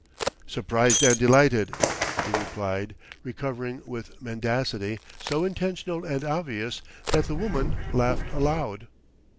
"Surprised and delighted," he replied, recovering, with mendacity so intentional and obvious that the woman laughed aloud.